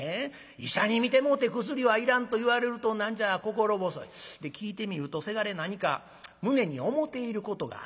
医者に診てもうて薬はいらんと言われると何じゃ心細い。で聞いてみるとせがれ何か胸に思ていることがある。